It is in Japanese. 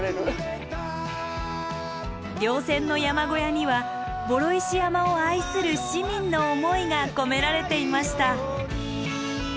稜線の山小屋には双石山を愛する市民の想いが込められていました。